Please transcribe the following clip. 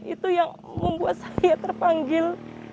itu yang membuat saya terpanggil